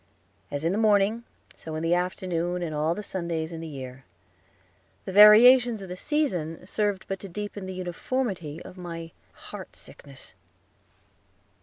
As in the morning, so in the afternoon and all the Sundays in the year. The variations of the season served but to deepen the uniformity of my heartsickness.